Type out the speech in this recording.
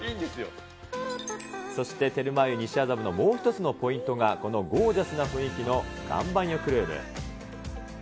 そしてテルマー湯西麻布のもう一つのポイントがこのゴージャスな雰囲気の岩盤浴ルーム。